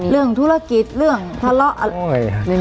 เรื่องธุรกิจเรื่องทะเลาะอะไร